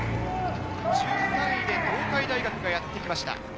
１３位で東海大学がやってきました。